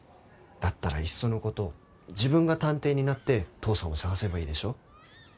だったらいっそのこと自分が探偵になって父さんを捜せばいいでしょ？